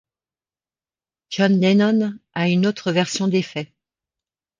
John Lennon a une autre version des faits.